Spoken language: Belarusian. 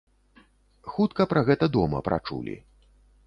Хутка пра гэта дома прачулі.